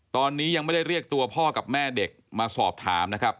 ตอนนี้ยังไม่ได้เรียกตัวพ่อกับแม่เด็กมาสอบถามนะครับ